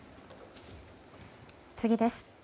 次です。